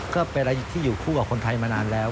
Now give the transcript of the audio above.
ก็เป็นอะไรที่อยู่คู่กับคนไทยมานานแล้ว